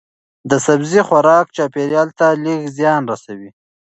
د سبزی خوراک چاپیریال ته لږ زیان رسوي.